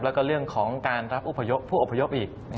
แล้วก็เรื่องของการรับผู้อพยพอีก